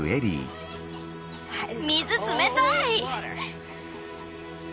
水冷たい！